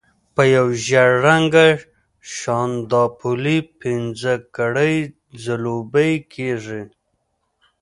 په یو ژېړ رنګه شانداپولي پنځه کړۍ ځلوبۍ کېږي.